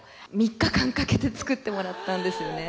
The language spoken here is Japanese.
３日間かけて作ってもらったんですよね。